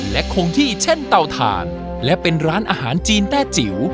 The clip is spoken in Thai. และคงที่เช่นเตาถ่านและเป็นร้านอาหารจีนแต้จิ๋ว